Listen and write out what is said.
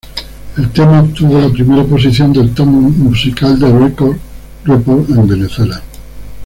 El tema obtuvo la primera posición del Top Musical de Record Report en Venezuela.